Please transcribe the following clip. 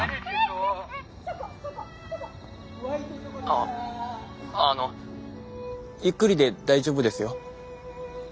あっあのゆっくりで大丈夫ですよ？